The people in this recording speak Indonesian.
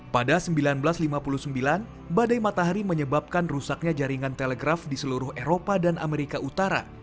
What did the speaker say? pada seribu sembilan ratus lima puluh sembilan badai matahari menyebabkan rusaknya jaringan telegraf di seluruh eropa dan amerika utara